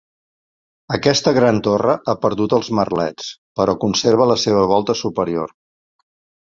Aquesta gran torre ha perdut els merlets, però conserva la seva volta superior.